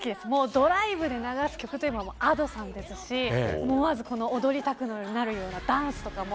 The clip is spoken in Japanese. ドライブで流す曲といえばＡｄｏさんですし思わず踊りたくなるようなダンスとかも